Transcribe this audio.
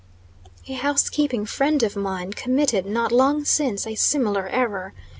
A housekeeping friend of mine, committed, not, long since, a similar error.